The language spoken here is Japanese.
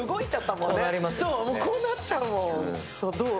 もうこうなっちゃうもん。